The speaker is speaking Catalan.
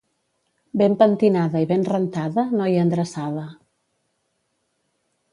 Ben pentinada i ben rentada, noia endreçada.